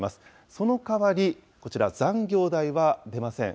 そのかわりこちら、残業代は出ません。